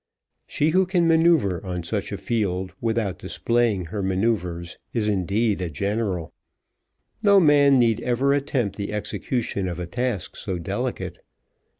She who can manoeuvre on such a field without displaying her manoeuvres is indeed a general! No man need ever attempt the execution of a task so delicate.